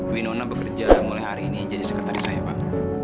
winona bekerja mulai hari ini jadi sekretaris saya pak